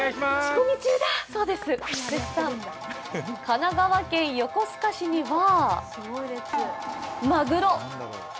神奈川県横須賀市には！